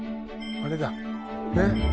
あれだねっ。